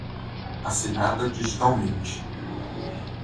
assinada digitalmente